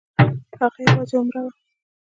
هغه یوازې عمره وه.